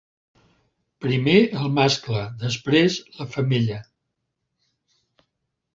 Primer el mascle, després la femella.